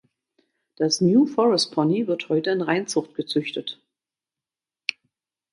Das New-Forest-Pony wird heute in Reinzucht gezüchtet.